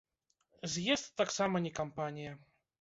З'езд таксама не кампанія.